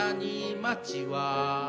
「街は」